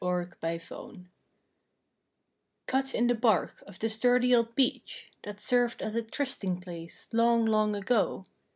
"MARY AND JOE" Cut in the bark of the sturdy old beech. That served as a trysting place, long, long ago.